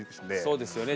そうですよね